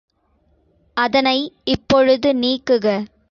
அதனை இப்பொழுது நீக்குக.